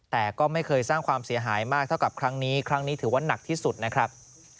แต่ก็ไม่เคยสร้างความเสียหายมากเท่ากับครั้งนี้ครั้งนี้ถือว่าหนักที่สุดนะครับ